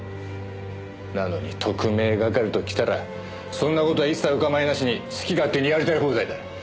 なのに特命係ときたらそんな事は一切お構いなしに好き勝手にやりたい放題だ。